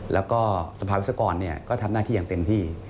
แล้วก็สภาวิศกรก็ทำหน้าที่อย่างเต็มที่